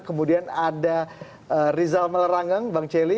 kemudian ada rizal melerangeng bang celi